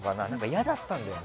嫌だったんだよね。